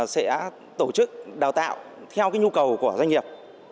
sẽ tổ chức đào tạo theo nhu cầu của doanh nghiệp